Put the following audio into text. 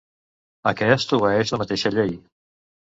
Aquest obeeix la mateixa llei.